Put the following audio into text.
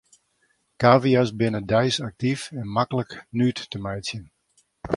Kavia's binne deis aktyf en maklik nuet te meitsjen.